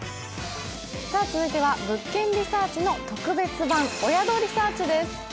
続いては「物件リサーチ」の特別版、「お宿リサーチ」です。